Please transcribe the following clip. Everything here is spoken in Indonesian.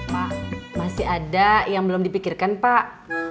pak masih ada yang belum dipikirkan pak